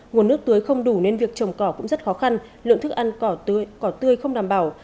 nguồn nước tưới không đủ nên việc trồng cỏ cũng rất khó khăn lượng thức ăn cỏ tươi không đảm bảo